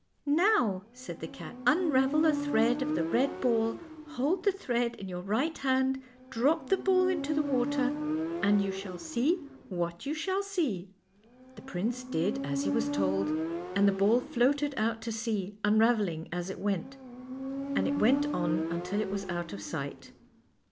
" Now," said the cat, " unravel a thread of the red ball, hold the thread in your right hand, drop the ball into the water, and you shall see what you shall see." The prince did as he was told, and the ball floated out to sea, unraveling as it went, and it went on until it was out of sight.